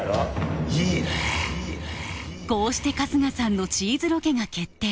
こうして春日さんのチーズロケが決定